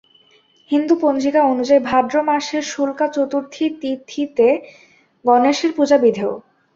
হিন্দু পঞ্জিকা অনুযায়ী ভাদ্র মাসের শুক্লা চতুর্থী তিথিতে গণেশের পূজা বিধেয়।